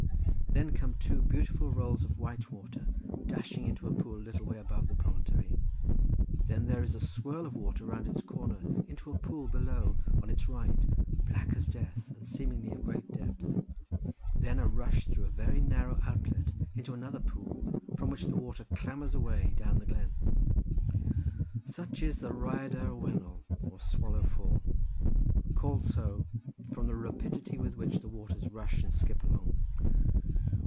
Then come two beautiful rows of white water, dashing into a pool a little way above the promontory; then there is a swirl of water round its corner into a pool below on its right, black as death and seemingly of great depth; then a rush through a very narrow outlet into another pool, from which the water clamours away down the glen. Such is the Rhaiadr y Wennol, or Swallow Fall; called so from the rapidity with which the waters rush and skip along.